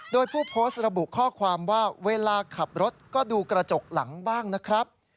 โดยผู้โพสต์ระบุข้อความว่าเวลาขับรถก็ดูกระจกหลังบ้างนะครับ